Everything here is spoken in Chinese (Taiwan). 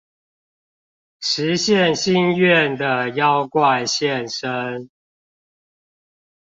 實現心願的妖怪現身